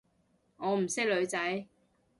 我唔識女仔